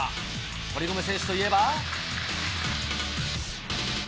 堀米選手といえば。